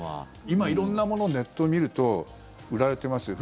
今、色んなものネットを見ると売られてますよ。